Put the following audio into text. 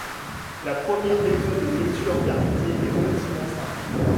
La première méthode de lectures permutées est relativement simple.